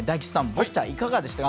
ボッチャいかがでしたか？